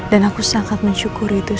dan aku sangat mensyukuri itu semua